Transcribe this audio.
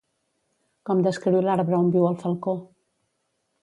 Com descriu l'arbre on viu el falcó?